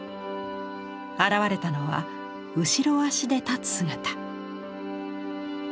現れたのは後ろ足で立つ姿。